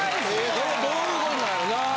これはどういうことなんやろな。